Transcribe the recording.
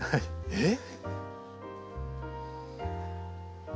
えっ？